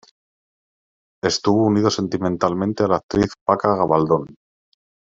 Estuvo unido sentimentalmente a la actriz Paca Gabaldón.